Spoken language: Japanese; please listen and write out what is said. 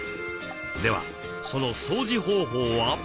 ではその掃除方法は？